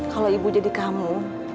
kalau ibu jadi kamu